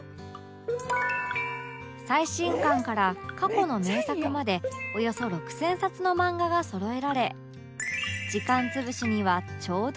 最新刊から過去の名作までおよそ６０００冊の漫画がそろえられ時間潰しにはちょうどいい空間